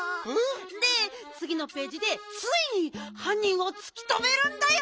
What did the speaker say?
でつぎのページでついにはんにんをつきとめるんだよ！